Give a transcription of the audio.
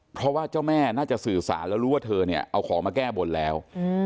เพราะว่าเจ้าแม่น่าจะสื่อสารแล้วรู้ว่าเธอเนี่ยเอาของมาแก้บนแล้ว